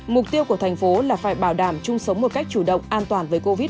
mục tiêu của thành phố là phải bảo đảm chung sống một cách chủ động an toàn với covid một mươi chín